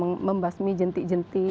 tentu itu dengan membahas mi jenti jenti